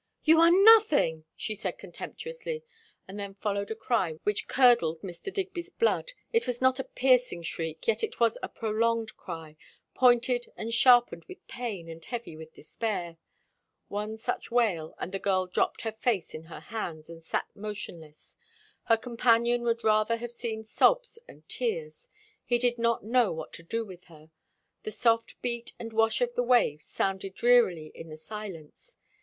"You are nothing!" she said contemptuously. But then followed a cry which curdled Mr. Digby's blood. It was not a piercing shriek, yet it was a prolonged cry, pointed and sharpened with pain and heavy with despair. One such wail, and the girl dropped her face in her hands and sat motionless. Her companion would rather have seen sobs and tears; he did not know what to do with her. The soft beat and wash of the waves sounded drearily in the silence.